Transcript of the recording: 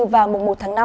và mùng một tháng năm